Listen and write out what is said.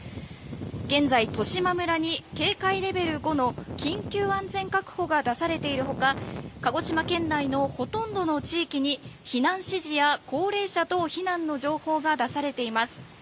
現在、十島村に警戒レベル５の緊急安全確保が出されているほか鹿児島県内のほとんどの地域に避難指示や高齢者等避難の情報が出されています。